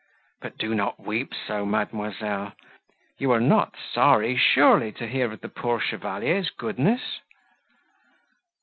But do not weep so, mademoiselle: you are not sorry surely to hear of the poor Chevalier's goodness?"